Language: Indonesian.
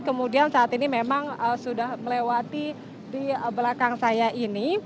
kemudian saat ini memang sudah melewati di belakang saya ini